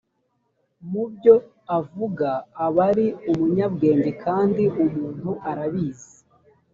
mu byo avuga aba ari umunyabwenge kandi umuntu arabizi